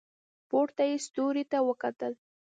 پورته یې ستوري ته وکتل.